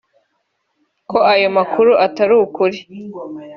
ko ayo makuru atari ukuri